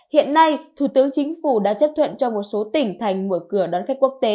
hiện nay thủ tướng chính phủ đã chấp thuận cho một số tỉnh thành mở cửa đón khách quốc tế